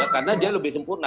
karena dia lebih sempurna